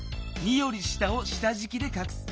２より下を下じきでかくす。